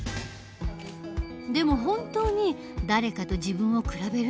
でも本当に誰かと自分を比べるって必要？